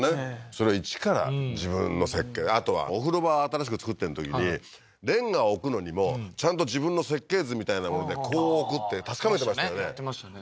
それ一から自分の設計であとはお風呂場新しく造ってるときにレンガを置くのにもちゃんと自分の設計図みたいなものでこう置くって確かめてましたよねやってましたね